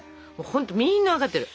ほんとみんな分かってる。